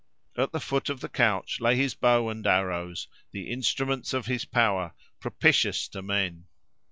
At the foot of the couch lay his bow and arrows, the instruments of his power, propitious to men.